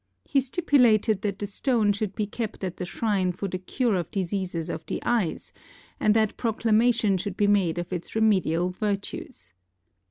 He stipulated that the stone should be kept at the shrine for the cure of diseases of the eyes, and that proclamation should be made of its remedial virtues.